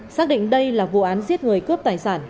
xác định đây là vụ án giết người cướp tài sản